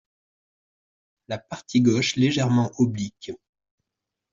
La partie gauche légèrement oblique.